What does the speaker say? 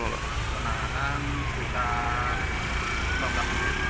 penanganan berapa lama